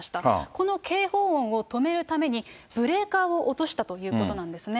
この警報音を止めるために、ブレーカーを落としたということなんですね。